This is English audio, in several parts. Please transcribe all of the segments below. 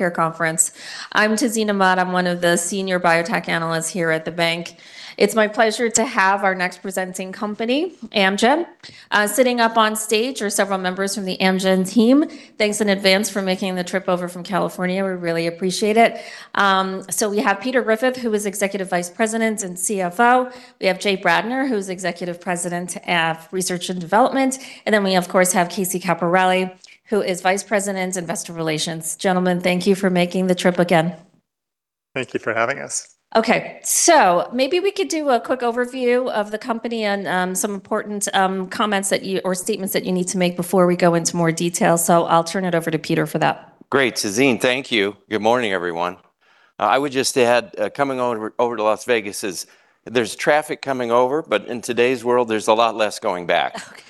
Care Conference. I'm Tazeen Ahmad. I'm one of the senior biotech analysts here at the bank. It's my pleasure to have our next presenting company, Amgen. Sitting up on stage are several members from the Amgen team. Thanks in advance for making the trip over from California. We really appreciate it. We have Peter Griffith, who is Executive Vice President and CFO. We have Jay Bradner, who's Executive President of Research and Development. We of course have Casey Capparelli, who is Vice President, Investor Relations. Gentlemen, thank you for making the trip again. Thank you for having us. Okay. Maybe we could do a quick overview of the company and, some important, comments that you or statements that you need to make before we go into more detail. I'll turn it over to Peter for that. Great, Tazeen. Thank you. Good morning, everyone. I would just add, coming over to Las Vegas, there's traffic coming over, but in today's world, there's a lot less going back. Okay.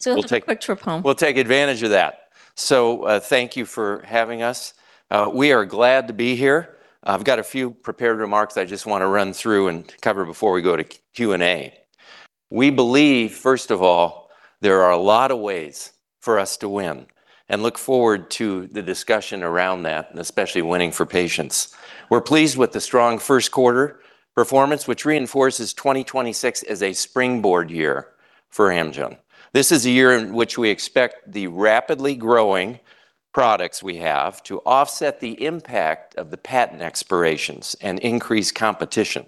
So, uh, we'll take- It'll be a quick trip home. We'll take advantage of that. Thank you for having us. We are glad to be here. I've got a few prepared remarks I just want to run through and cover before we go to Q&A. We believe, first of all, there are a lot of ways for us to win, and look forward to the discussion around that, and especially winning for patients. We're pleased with the strong first quarter performance, which reinforces 2026 as a springboard year for Amgen. This is a year in which we expect the rapidly growing products we have to offset the impact of the patent expirations and increase competition.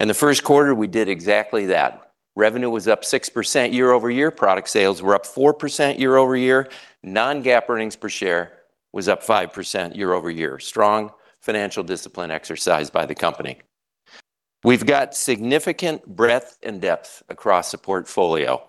In the first quarter, we did exactly that. Revenue was up 6% year-over-year. Product sales were up 4% year-over-year. Non-GAAP earnings per share was up 5% year-over-year. Strong financial discipline exercise by the company. We've got significant breadth and depth across the portfolio.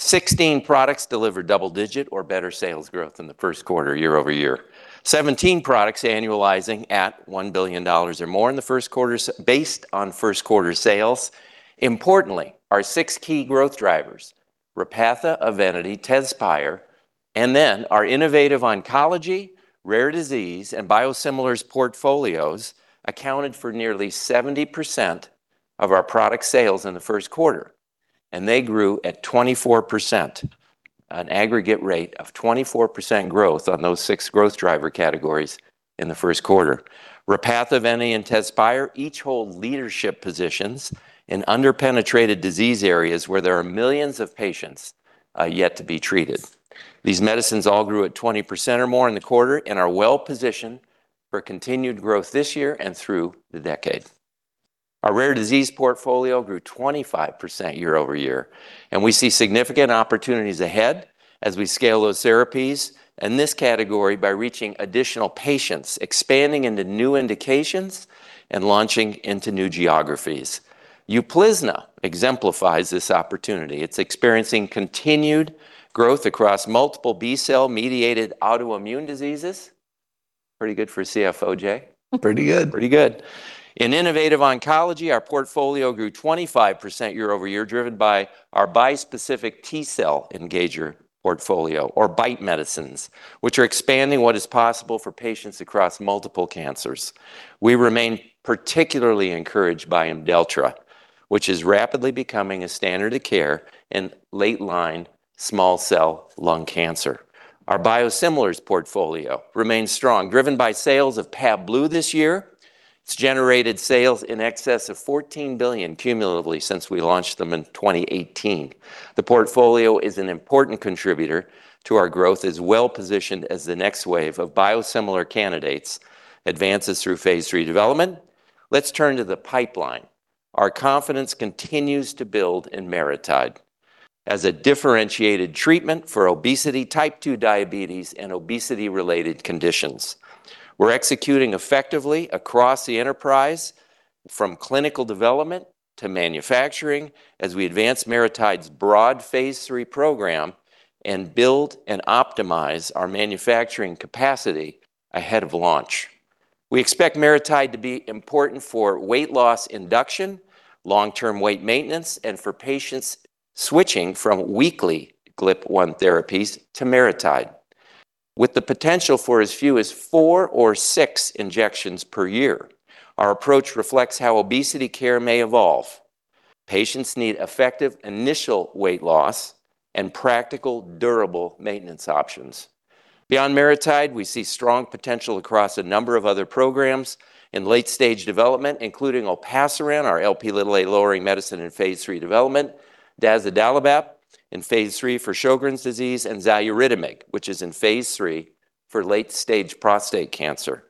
16 products delivered double-digit or better sales growth in the first quarter year-over-year. 17 products annualizing at $1 billion or more in the first quarter based on first quarter sales. Importantly, our six key growth drivers, Repatha, Evenity, Tezspire, and then our innovative oncology, rare disease, and biosimilars portfolios accounted for nearly 70% of our product sales in the first quarter, and they grew at 24%, an aggregate rate of 24% growth on those six growth driver categories in the first quarter. Repatha, Evenity, and Tezspire each hold leadership positions in under-penetrated disease areas where there are millions of patients yet to be treated. These medicines all grew at 20% or more in the quarter and are well-positioned for continued growth this year and through the decade. Our rare disease portfolio grew 25% year-over-year. We see significant opportunities ahead as we scale those therapies and this category by reaching additional patients, expanding into new indications, and launching into new geographies. UPLIZNA exemplifies this opportunity. It's experiencing continued growth across multiple B-cell-mediated autoimmune diseases. Pretty good for CFO Jay. Pretty good. Pretty good. In Innovative oncology, our portfolio grew 25% year-over-year, driven by our bispecific T-cell engager portfolio or BiTE medicines, which are expanding what is possible for patients across multiple cancers. We remain particularly encouraged by IMDELLTRA, which is rapidly becoming a standard of care in late-line small cell lung cancer. Our biosimilars portfolio remains strong, driven by sales of PAVBLU this year. It's generated sales in excess of $14 billion cumulatively since we launched them in 2018. The portfolio is an important contributor to our growth, as well-positioned as the next wave of biosimilar candidates advances through phase III development. Let's turn to the pipeline. Our confidence continues to build in MariTide as a differentiated treatment for obesity, type 2 diabetes, and obesity-related conditions. We're executing effectively across the enterprise from clinical development to manufacturing as we advance MariTide's broad phase III program and build and optimize our manufacturing capacity ahead of launch. We expect MariTide to be important for weight loss induction, long-term weight maintenance, and for patients switching from weekly GLP-1 therapies to MariTide. With the potential for as few as four or six injections per year, our approach reflects how obesity care may evolve. Patients need effective initial weight loss and practical, durable maintenance options. Beyond MariTide, we see strong potential across a number of other programs in late-stage development, including olpasiran, our Lp-lowering medicine in phase III development, dazodalibep in phase III for Sjögren's disease, and xaluritamig, which is in phase III for late-stage prostate cancer.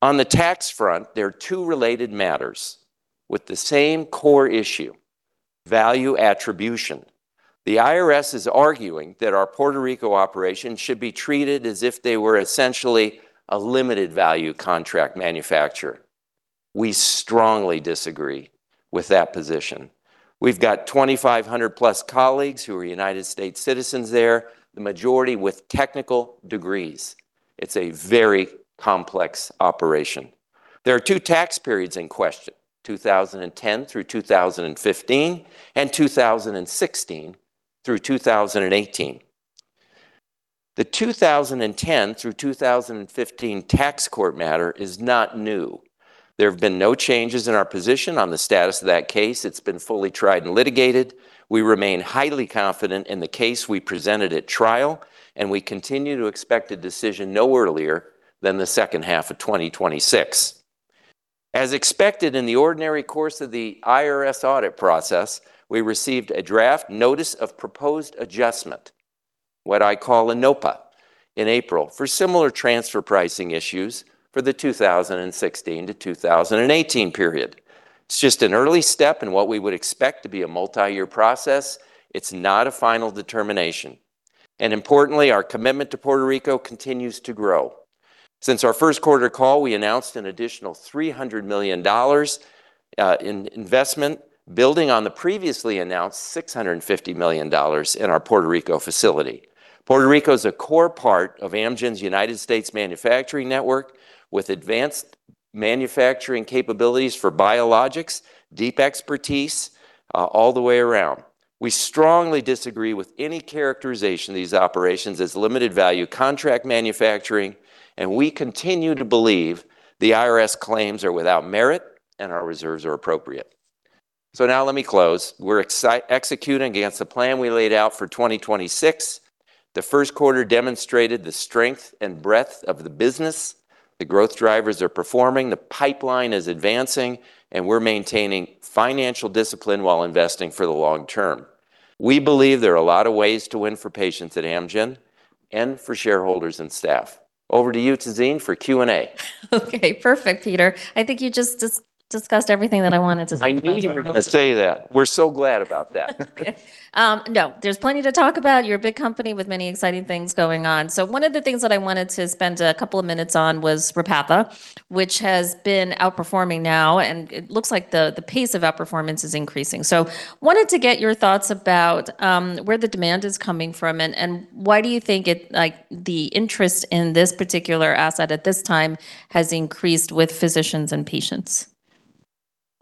On the tax front, there are two related matters with the same core issue, value attribution. The IRS is arguing that our Puerto Rico operations should be treated as if they were essentially a limited value contract manufacturer. We strongly disagree with that position. We've got 2,500 plus colleagues who are United States citizens there, the majority with technical degrees. It's a very complex operation. There are two tax periods in question, 2010-2015 and 2016-2018. The 2010 through 2015 tax court matter is not new. There have been no changes in our position on the status of that case. It's been fully tried and litigated. We remain highly confident in the case we presented at trial, and we continue to expect a decision no earlier than the second half of 2026. As expected in the ordinary course of the IRS audit process, we received a draft notice of proposed adjustment, what I call a NOPA, in April, for similar transfer pricing issues for the 2016-2018 period. It's just an early step in what we would expect to be a multi-year process. It's not a final determination. Importantly, our commitment to Puerto Rico continues to grow. Since our first quarter call, we announced an additional $300 million in investment, building on the previously announced $650 million in our Puerto Rico facility. Puerto Rico is a core part of Amgen's U.S. manufacturing network, with advanced manufacturing capabilities for biologics, deep expertise all the way around. We strongly disagree with any characterization of these operations as limited value contract manufacturing. We continue to believe the IRS claims are without merit and our reserves are appropriate. Let me close. We're executing against the plan we laid out for 2026. The first quarter demonstrated the strength and breadth of the business. The growth drivers are performing, the pipeline is advancing. We're maintaining financial discipline while investing for the long term. We believe there are a lot of ways to win for patients at Amgen and for shareholders and staff. Over to you, Tazeen, for Q&A. Okay, perfect, Peter. I think you just discussed everything that I wanted to talk about. I knew you were going to say that. We're so glad about that. No, there's plenty to talk about. You're a big company with many exciting things going on. One of the things that I wanted to spend a couple of minutes on was Repatha, which has been outperforming now, and it looks like the pace of outperformance is increasing. Wanted to get your thoughts about where the demand is coming from and why do you think it, like, the interest in this particular asset at this time has increased with physicians and patients?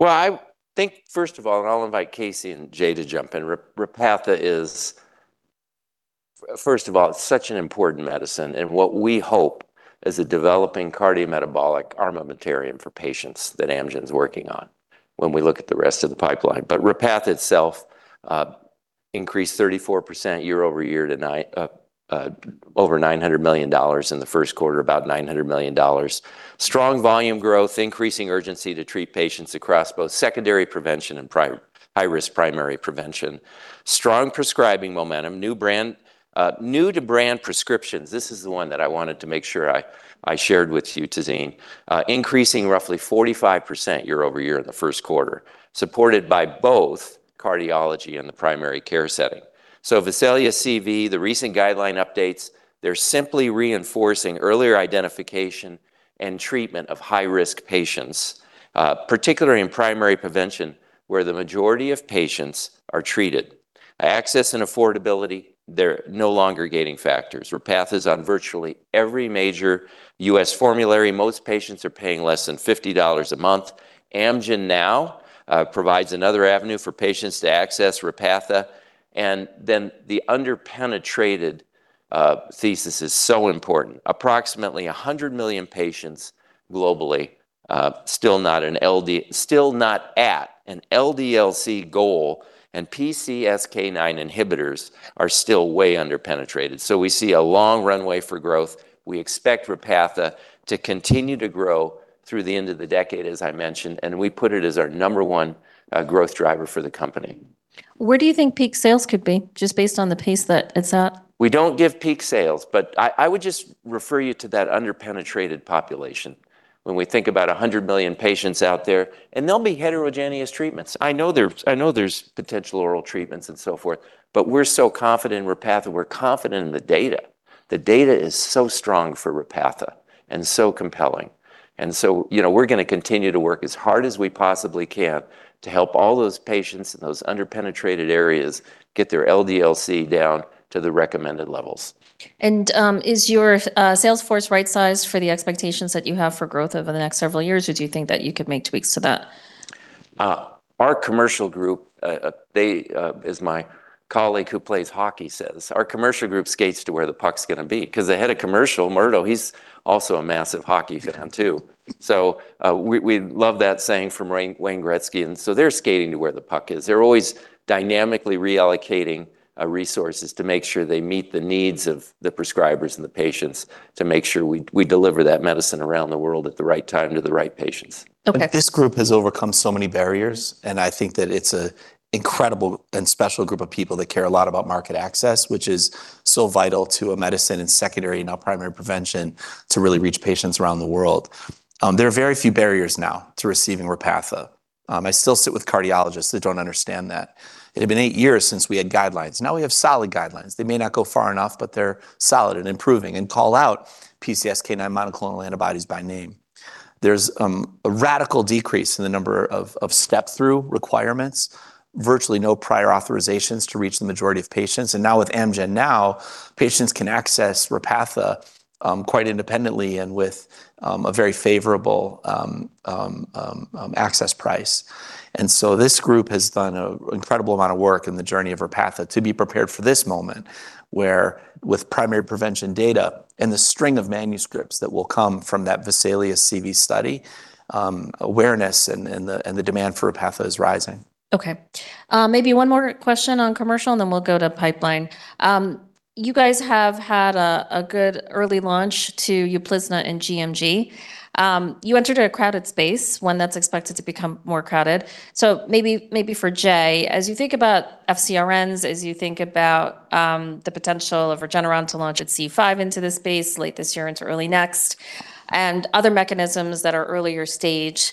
Well, I think first of all, and I'll invite Casey and Jay to jump in, Repatha is, first of all, such an important medicine and what we hope is a developing cardiometabolic armamentarium for patients that Amgen's working on when we look at the rest of the pipeline. Repatha itself increased 34% year-over-year tonight, over $900 million in the first quarter, about $900 million. Strong volume growth, increasing urgency to treat patients across both secondary prevention and high-risk primary prevention. Strong prescribing momentum, new brand, new-to-brand prescriptions, this is the one that I wanted to make sure I shared with you, Tazeen, increasing roughly 45% year-over-year in the first quarter, supported by both cardiology and the primary care setting. VESALIUS-CV, the recent guideline updates, they're simply reinforcing earlier identification and treatment of high-risk patients, particularly in primary prevention, where the majority of patients are treated. Access and affordability, they're no longer gating factors. Repatha is on virtually every major U.S. formulary. Most patients are paying less than $50 a month. AmgenNow provides another avenue for patients to access Repatha. The under-penetrated thesis is so important. Approximately 100 million patients globally still not at an LDL-C goal, and PCSK9 inhibitors are still way under-penetrated. We see a long runway for growth. We expect Repatha to continue to grow through the end of the decade, as I mentioned, and we put it as our number one growth driver for the company. Where do you think peak sales could be, just based on the pace that it's at? We don't give peak sales, I would just refer you to that under-penetrated population. When we think about 100 million patients out there, and they'll be heterogeneous treatments. I know there's potential oral treatments and so forth, but we're so confident in Repatha. We're confident in the data. The data is so strong for Repatha and so compelling. You know, we're gonna continue to work as hard as we possibly can to help all those patients in those under-penetrated areas get their LDL-C down to the recommended levels. Is your sales force right-sized for the expectations that you have for growth over the next several years, or do you think that you could make tweaks to that? Our commercial group, they, as my colleague who plays hockey says, our commercial group skates to where the puck's gonna be because the head of commercial, Murdo, he's also a massive hockey fan too. We love that saying from Wayne Gretzky, they're skating to where the puck is. They're always dynamically reallocating resources to make sure they meet the needs of the prescribers and the patients to make sure we deliver that medicine around the world at the right time to the right patients. Okay. This group has overcome so many barriers, and I think that it's a incredible and special group of people that care a lot about market access, which is so vital to a medicine in secondary, now primary prevention, to really reach patients around the world. There are very few barriers now to receiving Repatha. I still sit with cardiologists that don't understand that. It had been eight years since we had guidelines. Now we have solid guidelines. They may not go far enough, but they're solid and improving and call out PCSK9 monoclonal antibodies by name. There's a radical decrease in the number of step-through requirements, virtually no prior authorizations to reach the majority of patients, and now with AmgenNow, patients can access Repatha quite independently and with a very favorable access price. This group has done a incredible amount of work in the journey of Repatha to be prepared for this moment, where with primary prevention data and the string of manuscripts that will come from that VESALIUS-CV study, awareness and the demand for Repatha is rising. Okay. Maybe one more question on commercial, then we'll go to pipeline. You guys have had a good early launch to UPLIZNA and GMG. You entered the crowded space when it was expected to become more crowded. Maybe for Jay, as you think about FcRNs, as you think about the potential of Regeneron to launch its C5 into this space late this year into early next, and other mechanisms that are earlier stage,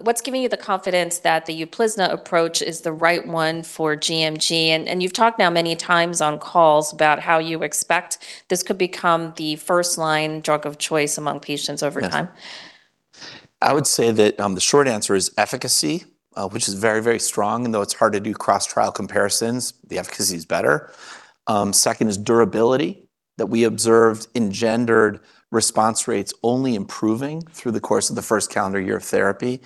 what's giving you the confidence that the UPLIZNA approach is the right one for GMG? You've talked now many times on calls about how you expect this could become the first-line drug of choice among patients over time. Yes. I would say that, the short answer is efficacy, which is very, very strong. Though it's hard to do cross trial comparisons, the efficacy is better. Second is durability that we observed in gendered response rates only improving through the course of the first calendar year of therapy.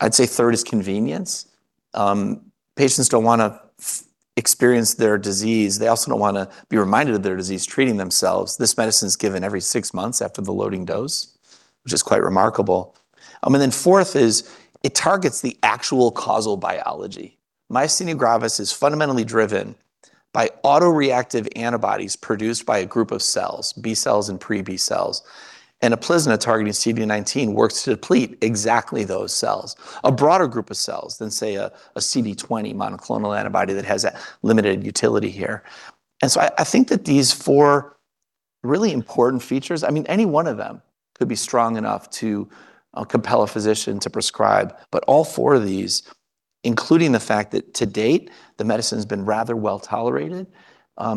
I'd say third is convenience. Patients don't wanna experience their disease. They also don't wanna be reminded of their disease treating themselves. This medicine's given every six months after the loading dose, which is quite remarkable. Fourth is it targets the actual causal biology. Myasthenia gravis is fundamentally driven by autoreactive antibodies produced by a group of cells, B cells and pre-B cells, and UPLIZNA targeting CD19 works to deplete exactly those cells. A broader group of cells than, say, a CD20 monoclonal antibody that has that limited utility here. I think that these four really important features, I mean, any one of them could be strong enough to compel a physician to prescribe. All four of these, including the fact that to date, the medicine's been rather well-tolerated,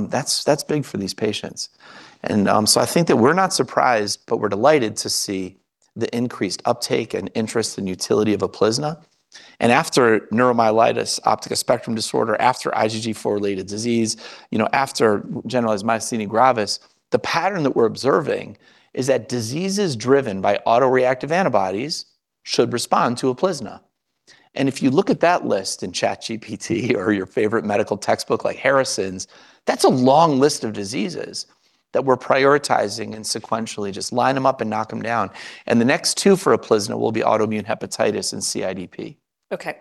that's big for these patients. I think that we're not surprised, but we're delighted to see the increased uptake and interest and utility of UPLIZNA. After neuromyelitis optica spectrum disorder, after IgG4-related disease, you know, after generalized myasthenia gravis, the pattern that we're observing is that diseases driven by autoreactive antibodies should respond to UPLIZNA. If you look at that list in ChatGPT or your favorite medical textbook like Harrison's, that's a long list of diseases that we're prioritizing and sequentially just line 'em up and knock 'em down. The next two for UPLIZNA will be autoimmune hepatitis and CIDP. Okay.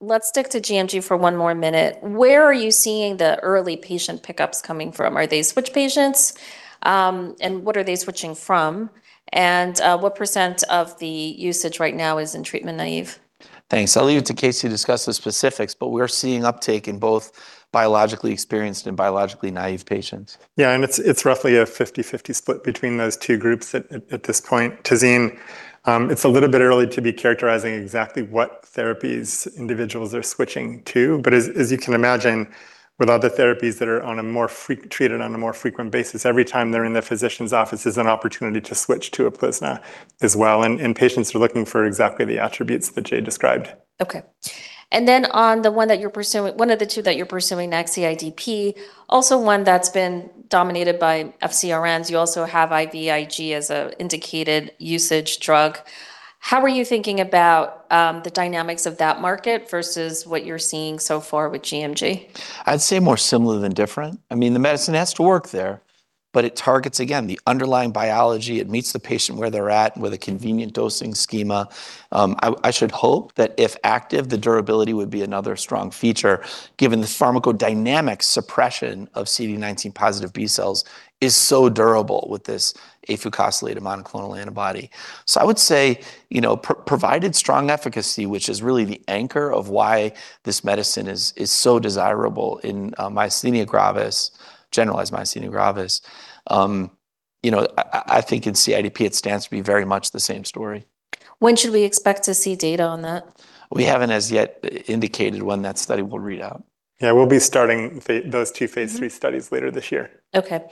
Let's stick to GMG for one more minute. Where are you seeing the early patient pickups coming from? Are they switch patients? What are they switching from? What percent of the usage right now is in treatment naive? Thanks. I'll leave it to Casey to discuss the specifics, but we're seeing uptake in both biologically experienced and biologically naive patients. It's roughly a 50/50 split between those two groups at this point. Tazeen, it's a little bit early to be characterizing exactly what therapies individuals are switching to, but as you can imagine, with other therapies that are treated on a more frequent basis, every time they're in their physician's office is an opportunity to switch to UPLIZNA as well. Patients are looking for exactly the attributes that Jay described. Okay. On the one that you're pursuing, one of the two that you're pursuing next, CIDP, also one that's been dominated by FcRNs, you also have IVIG as a indicated usage drug. How are you thinking about the dynamics of that market versus what you're seeing so far with GMG? I'd say more similar than different. I mean, the medicine has to work there, but it targets, again, the underlying biology. It meets the patient where they're at with a convenient dosing schema. I should hope that if active, the durability would be another strong feature, given the pharmacodynamic suppression of CD19 positive B cells is so durable with this afucosylated monoclonal antibody. I would say, you know, provided strong efficacy, which is really the anchor of why this medicine is so desirable in myasthenia gravis, generalized myasthenia gravis, you know, I think in CIDP it stands to be very much the same story. When should we expect to see data on that? We haven't as yet indicated when that study will read out. Yeah, we'll be starting those two phase III studies later this year. Okay.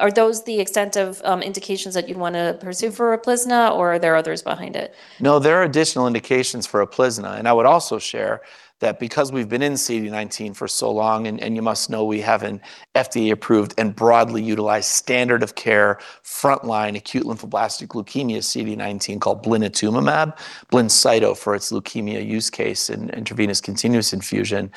Are those the extent of indications that you'd wanna pursue for UPLIZNA, or are there others behind it? No, there are additional indications for UPLIZNA, and I would also share that because we've been in CD19 for so long, and you must know we have an FDA-approved and broadly utilized standard of care frontline acute lymphoblastic leukemia CD19 called blinatumomab, BLINCYTO for its leukemia use case and intravenous continuous infusion,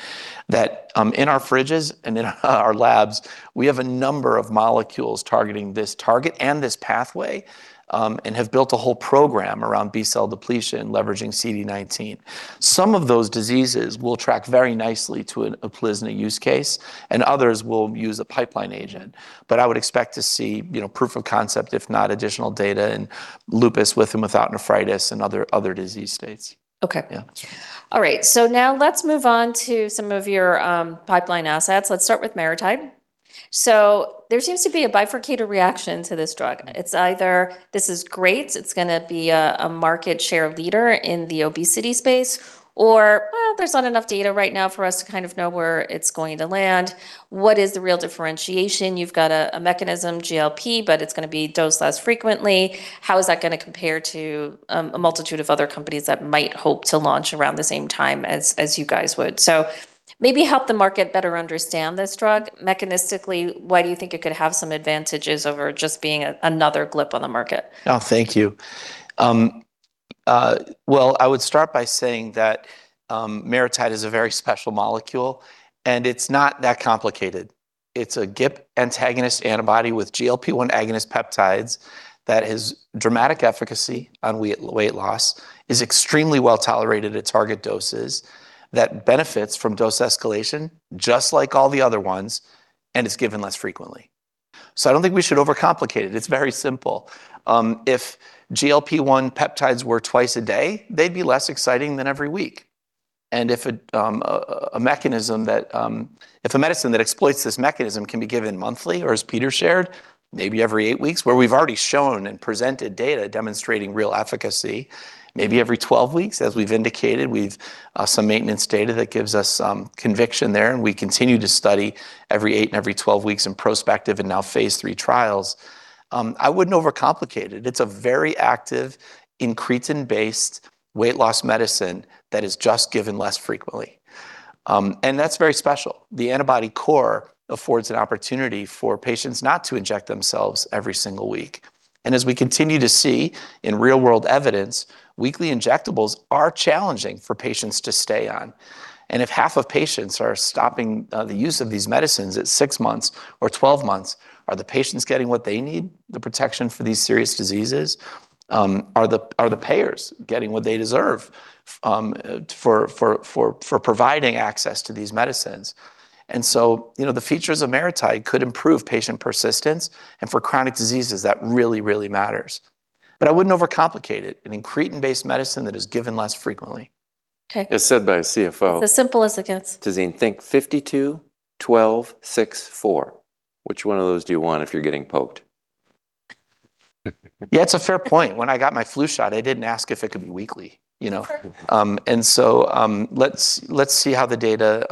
that in our fridges and in our labs, we have a number of molecules targeting this target and this pathway, and have built a whole program around B-cell depletion leveraging CD19. Some of those diseases will track very nicely to an UPLIZNA use case, and others will use a pipeline agent. I would expect to see, you know, proof of concept, if not additional data, in lupus with and without nephritis and other disease states. Okay. Yeah. All right. Now let's move on to some of your pipeline assets. Let's start with MariTide. There seems to be a bifurcated reaction to this drug. It's either this is great, it's going to be a market share leader in the obesity space, or, well, there's not enough data right now for us to kind of know where it's going to land. What is the real differentiation? You've got a mechanism, GLP, but it's going to be dosed less frequently. How is that going to compare to a multitude of other companies that might hope to launch around the same time as you guys would? Maybe help the market better understand this drug. Mechanistically, why do you think it could have some advantages over just being another GLP on the market? Thank you. Well, I would start by saying that MariTide is a very special molecule, and it's not that complicated. It's a GIP antagonist antibody with GLP-1 agonist peptides that has dramatic efficacy on weight loss, is extremely well tolerated at target doses, that benefits from dose escalation just like all the other ones, and it's given less frequently. I don't think we should overcomplicate it. It's very simple. If GLP-1 peptides were twice a day, they'd be less exciting than every week. If a medicine that exploits this mechanism can be given monthly or as Peter shared, maybe every eight weeks, where we've already shown and presented data demonstrating real efficacy, maybe every 12 weeks, as we've indicated, we've some maintenance data that gives us some conviction there, and we continue to study every eight and every 12 weeks in prospective and now phase III trials. I wouldn't overcomplicate it. It's a very active incretin-based weight loss medicine that is just given less frequently. That's very special. The antibody core affords an opportunity for patients not to inject themselves every single week. As we continue to see in real-world evidence, weekly injectables are challenging for patients to stay on. If half of patients are stopping the use of these medicines at six months or 12 months, are the patients getting what they need, the protection for these serious diseases? Are the payers getting what they deserve for providing access to these medicines? You know, the features of MariTide could improve patient persistence, and for chronic diseases, that really matters. I wouldn't overcomplicate it, an incretin-based medicine that is given less frequently. Okay. As said by a CFO. As simple as it gets. Tazeen Ahmad, think 52, 12, 6, 4. Which one of those do you want if you're getting poked? Yeah, it's a fair point. When I got my flu shot, I didn't ask if it could be weekly, you know? Let's see how the data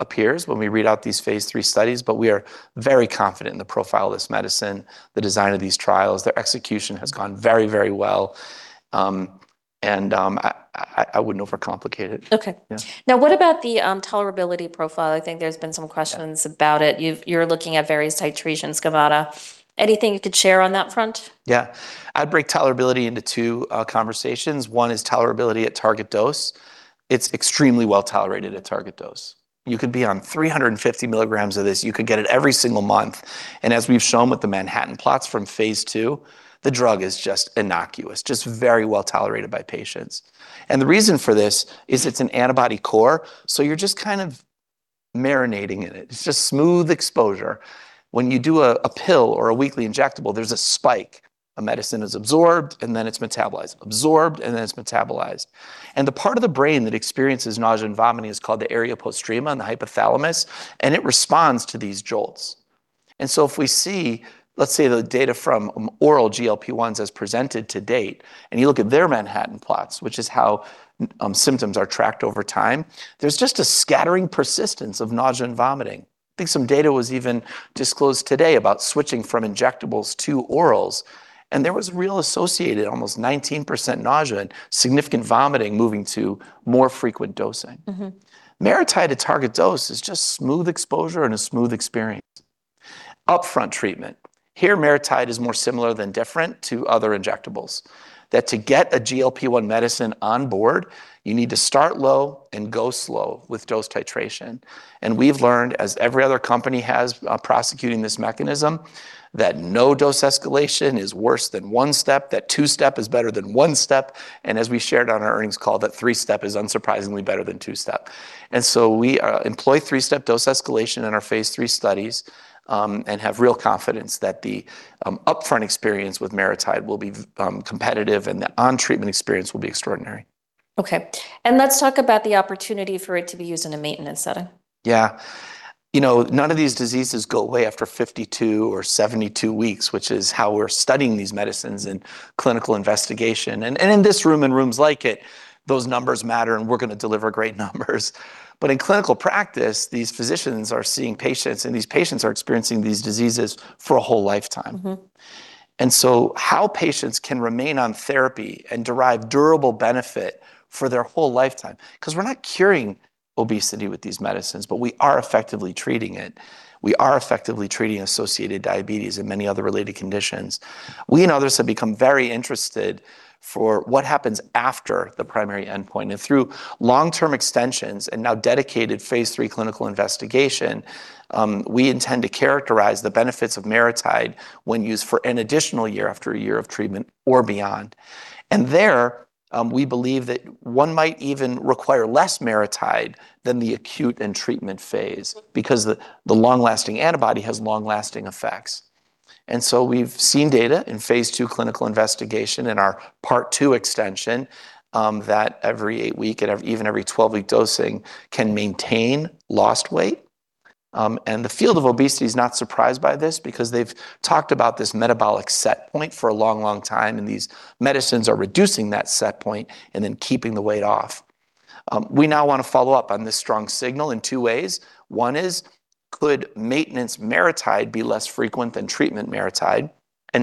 appears when we read out these phase III studies, but we are very confident in the profile of this medicine, the design of these trials. Their execution has gone very well, I wouldn't overcomplicate it. Okay. Yeah. What about the tolerability profile? I think there's been some questions about it. You're looking at various titrations, Govada. Anything you could share on that front? Yeah. I'd break tolerability into two conversations. One is tolerability at target dose. It's extremely well tolerated at target dose. You could be on 350 mg of this. You could get it every single month. As we've shown with the Manhattan plots from phase II, the drug is just innocuous, just very well tolerated by patients. The reason for this is it's an antibody core, so you're just kind of marinating in it. It's just smooth exposure. When you do a pill or a weekly injectable, there's a spike. A medicine is absorbed, and then it's metabolized. Absorbed, and then it's metabolized. The part of the brain that experiences nausea and vomiting is called the area postrema in the hypothalamus, and it responds to these jolts. If we see, let's say, the data from oral GLP-1s as presented to date, and you look at their Manhattan plots, which is how symptoms are tracked over time, there's just a scattering persistence of nausea and vomiting. I think some data was even disclosed today about switching from injectables to orals, and there was real associated, almost 19% nausea and significant vomiting moving to more frequent dosing. MariTide at target dose is just smooth exposure and a smooth experience. Upfront treatment. Here, MariTide is more similar than different to other injectables, that to get a GLP-1 medicine on board, you need to start low and go slow with dose titration. We've learned, as every other company has, prosecuting this mechanism, that no dose escalation is worse than 1-step, that 2-step is better than 1-step, and as we shared on our earnings call, that 3-step is unsurprisingly better than 2-step. We employ 3-step dose escalation in our phase III studies, and have real confidence that the upfront experience with MariTide will be competitive and the on-treatment experience will be extraordinary. Okay. Let's talk about the opportunity for it to be used in a maintenance setting. Yeah. You know, none of these diseases go away after 52 or 72 weeks, which is how we're studying these medicines in clinical investigation. In this room and rooms like it, those numbers matter, and we're gonna deliver great numbers. In clinical practice, these physicians are seeing patients, and these patients are experiencing these diseases for a whole lifetime. How patients can remain on therapy and derive durable benefit for their whole lifetime, because we're not curing obesity with these medicines, but we are effectively treating it. We are effectively treating associated diabetes and many other related conditions. We and others have become very interested for what happens after the primary endpoint. Through long-term extensions and now dedicated phase III clinical investigation, we intend to characterize the benefits of MariTide when used for an additional year after a year of treatment or beyond. There, we believe that one might even require less MariTide than the acute and treatment phase because the long-lasting antibody has long-lasting effects. We've seen data in phase II clinical investigation in our part II extension, that every eight-week and even every 12-week dosing can maintain lost weight. The field of obesity is not surprised by this because they've talked about this metabolic set point for a long, long time, and these medicines are reducing that set point and then keeping the weight off. We now want to follow up on this strong signal in two ways. One is could maintenance MariTide be less frequent than treatment MariTide?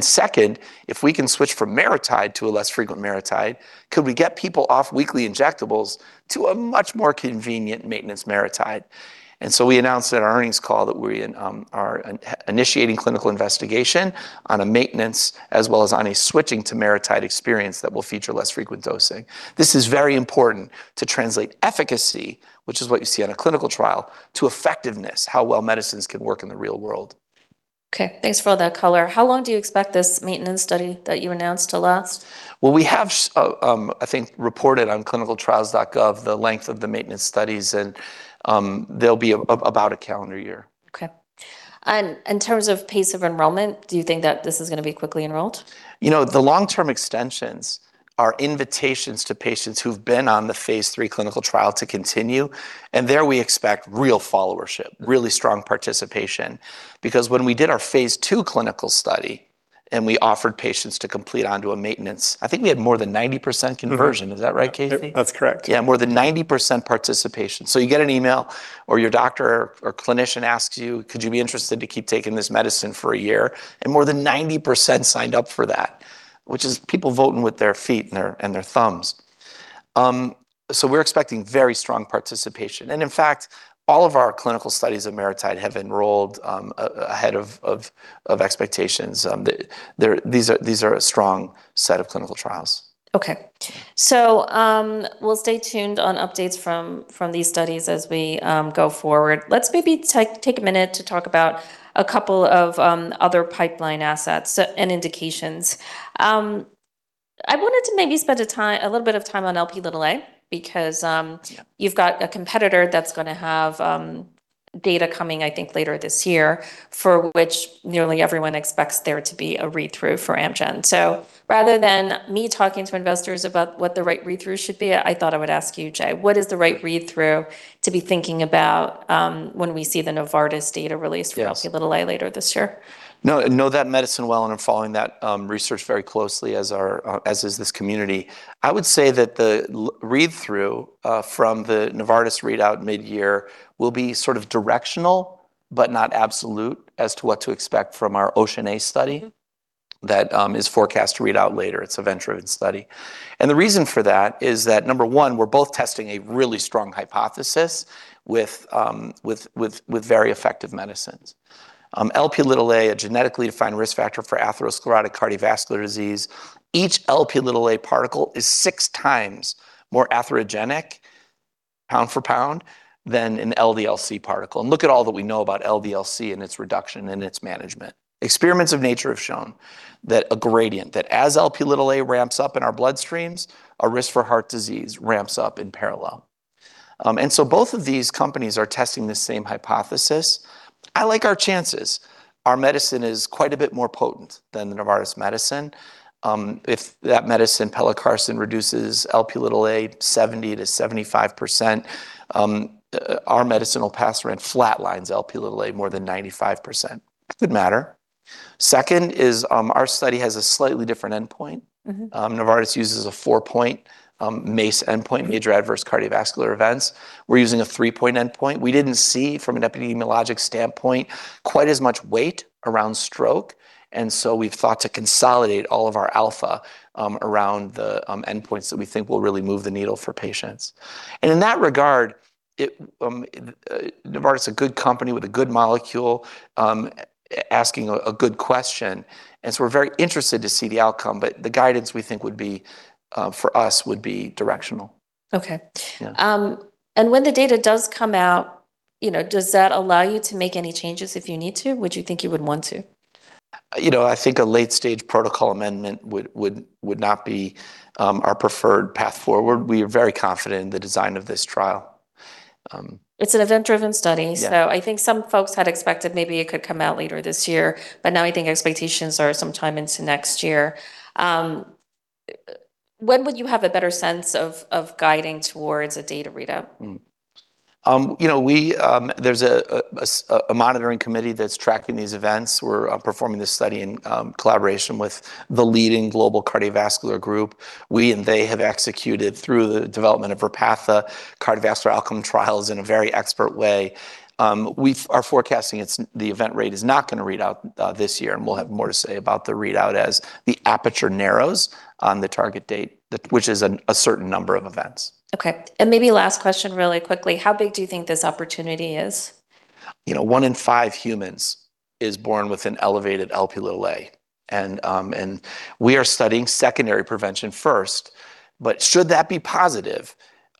Second, if we can switch from MariTide to a less frequent MariTide, could we get people off weekly injectables to a much more convenient maintenance MariTide? We announced at our earnings call that we're initiating clinical investigation on a maintenance as well as on a switching to MariTide experience that will feature less frequent dosing. This is very important to translate efficacy, which is what you see on a clinical trial, to effectiveness, how well medicines can work in the real world. Okay. Thanks for all that color. How long do you expect this maintenance study that you announced to last? Well, we have I think reported on clinicaltrials.gov the length of the maintenance studies, and they'll be about a calendar year. Okay. In terms of pace of enrollment, do you think that this is gonna be quickly enrolled? You know, the long-term extensions are invitations to patients who've been on the phase III clinical trial to continue. There we expect real followership, really strong participation. When we did our phase II clinical study and we offered patients to complete onto a maintenance, I think we had more than 90% conversion. Is that right, Casey? That's correct. Yeah, more than 90% participation. You get an email or your doctor or clinician asks you, "Could you be interested to keep taking this medicine for a year?" More than 90% signed up for that, which is people voting with their feet and their thumbs. We're expecting very strong participation. In fact, all of our clinical studies of MariTide have enrolled ahead of expectations. These are a strong set of clinical trials. We'll stay tuned on updates from these studies as we go forward. Let's maybe take a minute to talk about a couple of other pipeline assets and indications. I wanted to maybe spend a little bit of time on Lp(a) because. Yeah. You've got a competitor that's gonna have data coming, I think, later this year, for which nearly everyone expects there to be a read-through for Amgen. Rather than me talking to investors about what the right read-through should be, I thought I would ask you, Jay. What is the right read-through to be thinking about when we see the Novartis data released? Yes. For Lp(a) later this year? No, know that medicine well, and I'm following that research very closely as are, as is this community. I would say that the read-through from the Novartis readout midyear will be sort of directional, but not absolute as to what to expect from our OCEAN(a) study. That is forecast to read out later. It's event-driven study. The reason for that is that, number one, we're both testing a really strong hypothesis with very effective medicines. Lp(a), a genetically defined risk factor for atherosclerotic cardiovascular disease, each Lp(a) particle is 6x more atherogenic pound for pound than an LDL-C particle. Look at all that we know about LDL-C and its reduction and its management. Experiments of nature have shown that a gradient, that as Lp(a) ramps up in our bloodstreams, our risk for heart disease ramps up in parallel. Both of these companies are testing the same hypothesis. I like our chances. Our medicine is quite a bit more potent than the Novartis medicine. If that medicine, pelacarsen, reduces Lp(a) 70%-75%, our medicine, olpasiran, flatlines Lp(a) more than 95%. Could matter. Second is, our study has a slightly different endpoint. Novartis uses a 4-point MACE endpoint, major adverse cardiovascular events. We're using a 3-point endpoint. We didn't see, from an epidemiologic standpoint, quite as much weight around stroke, and so we've thought to consolidate all of our alpha around the endpoints that we think will really move the needle for patients. In that regard, it Novartis is a good company with a good molecule, asking a good question, and so we're very interested to see the outcome. The guidance we think would be for us, would be directional. Okay. Yeah. When the data does come out, you know, does that allow you to make any changes if you need to? Would you think you would want to? You know, I think a late-stage protocol amendment would not be our preferred path forward. We are very confident in the design of this trial. It's an event-driven study. Yeah. I think some folks had expected maybe it could come out later this year, but now I think expectations are some time into next year. When would you have a better sense of guiding towards a data readout? You know, we, there's a monitoring committee that's tracking these events. We're performing this study in collaboration with the leading global cardiovascular group. We and they have executed through the development of Repatha cardiovascular outcome trials in a very expert way. We are forecasting it's, the event rate is not gonna read out this year, and we'll have more to say about the readout as the aperture narrows on the target date that, which is a certain number of events. Okay. Maybe last question really quickly, how big do you think this opportunity is? You know, one in five humans is born with an elevated Lp(a), and we are studying secondary prevention first. Should that be positive,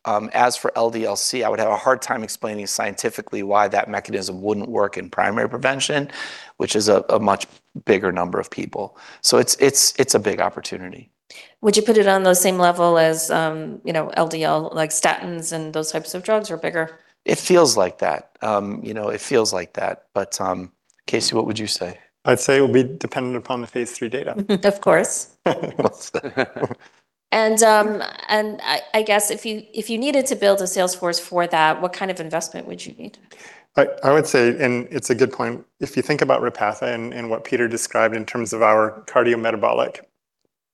as for LDL-C, I would have a hard time explaining scientifically why that mechanism wouldn't work in primary prevention, which is a much bigger number of people. It's a big opportunity. Would you put it on the same level as, you know, LDL, like statins and those types of drugs, or bigger? It feels like that. you know, it feels like that, but, Casey, what would you say? I'd say it would be dependent upon the phase III data. Of course. Well said. I guess if you needed to build a sales force for that, what kind of investment would you need? I would say, and it's a good point, if you think about Repatha and what Peter described in terms of our cardiometabolic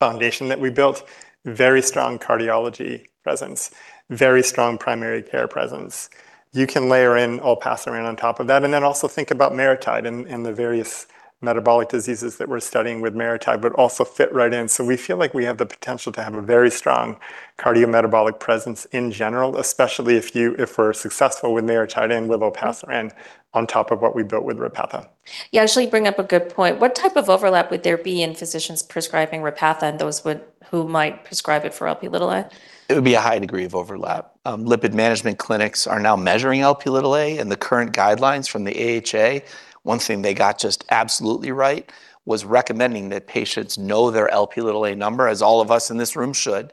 foundation that we built, very strong cardiology presence, very strong primary care presence. You can layer in olpasiran on top of that, and then also think about MariTide and the various metabolic diseases that we're studying with MariTide, would also fit right in. We feel like we have the potential to have a very strong cardiometabolic presence in general, especially if we're successful with MariTide and with olpasiran on top of what we built with Repatha. Yeah, actually you bring up a good point. What type of overlap would there be in physicians prescribing Repatha and who might prescribe it for Lp(a)? It would be a high degree of overlap. Lipid management clinics are now measuring Lp(a), and the current guidelines from the AHA, one thing they got just absolutely right was recommending that patients know their Lp(a) number, as all of us in this room should.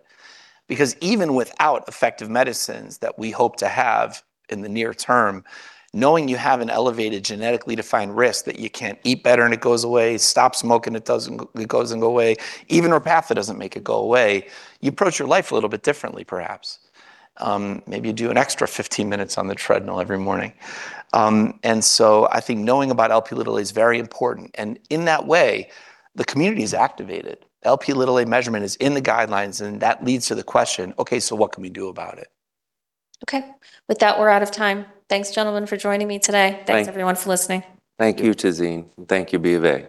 Because even without effective medicines that we hope to have in the near term, knowing you have an elevated genetically defined risk that you can't eat better and it goes away, stop smoking, it goes away, even Repatha doesn't make it go away, you approach your life a little bit differently perhaps. Maybe you do an extra 15 minutes on the treadmill every morning. I think knowing about Lp(a) is very important, and in that way, the community's activated. Lp(a) measurement is in the guidelines, and that leads to the question, okay, so what can we do about it? Okay. With that, we're out of time. Thanks, gentlemen, for joining me today. Thank- Thanks, everyone, for listening. Thank you, Tazeen, and thank you, Bo.